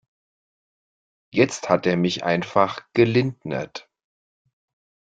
Jetzt hat er mich einfach gelindnert.